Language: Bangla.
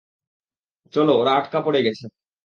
চল, ওরা আটকা পড়ে গেছে।